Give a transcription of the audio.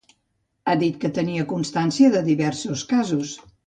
Ha dit que tenia constància de diversos casos.